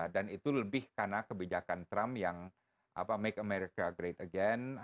dan itu lebih karena kebijakan trump yang make america great again